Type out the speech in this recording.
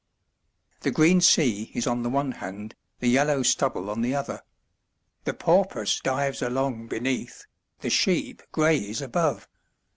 The green sea is on the one hand, the yellow stubble on the other. The porpoise dives along beneath, the sheep graze above.